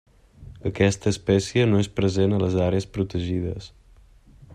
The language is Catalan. Aquesta espècie no és present en les àrees protegides.